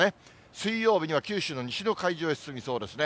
水曜日には九州の西の海上へ進みそうですね。